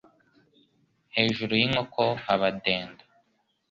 Hejuru y’inkoko haba dendo